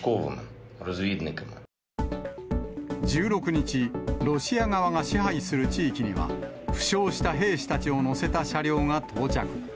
１６日、ロシア側が支配する地域には、負傷した兵士たちを乗せた車両が到着。